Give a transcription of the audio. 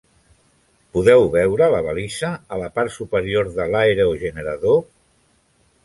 Podeu veure la balisa a la part superior de l'aerogenerador?